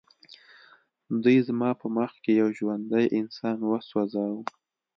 دوی زما په مخ کې یو ژوندی انسان وسوځاوه